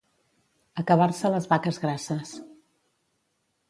Acabar-se les vaques grasses.